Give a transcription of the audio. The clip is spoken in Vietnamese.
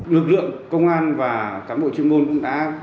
lực lượng công an và cán bộ chuyên môn cũng đã